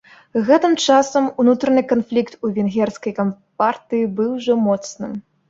Гэтым часам унутраны канфлікт у венгерскай кампартыі быў ужо моцным.